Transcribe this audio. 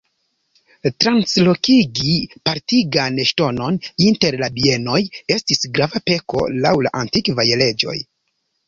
Translokigi partigan ŝtonon inter la bienoj estis grava peko laŭ la antikvaj leĝoj.